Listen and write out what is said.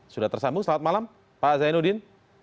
sudah tersambung selamat malam pak zainuddin